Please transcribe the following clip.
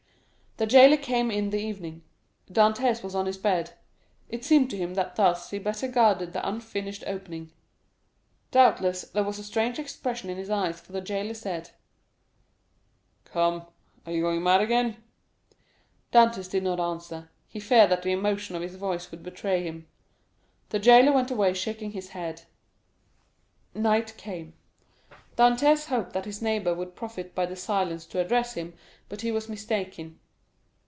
The jailer came in the evening. Dantès was on his bed. It seemed to him that thus he better guarded the unfinished opening. Doubtless there was a strange expression in his eyes, for the jailer said, "Come, are you going mad again?" Dantès did not answer; he feared that the emotion of his voice would betray him. The jailer went away shaking his head. Night came; Dantès hoped that his neighbor would profit by the silence to address him, but he was mistaken.